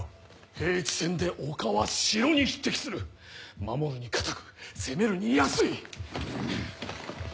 平地戦で丘は城に匹敵する守るに堅く攻めるに易い。